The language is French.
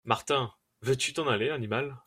Martin.- Veux-tu t’en aller, animal !…